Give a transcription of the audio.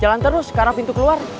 jalan terus karena pintu keluar